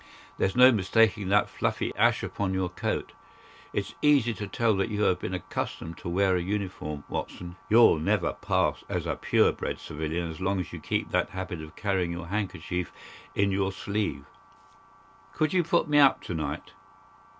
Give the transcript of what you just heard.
There's no mistaking that fluffy ash upon your coat. It's easy to tell that you have been accustomed to wear a uniform, Watson. You'll never pass as a pure bred civilian as long as you keep that habit of carrying your handkerchief in your sleeve. Could you put me up to night?"